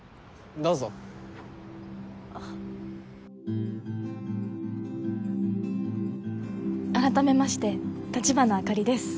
どうぞあ改めまして立花あかりです